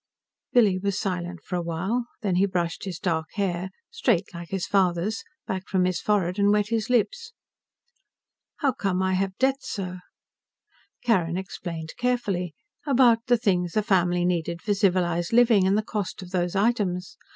Billy was silent for a while, then he brushed his dark hair straight, like his father's back from his forehead and wet his lips. "How come I have debts, sir?" Carrin explained carefully. About the things a family needed for civilized living, and the cost of those items.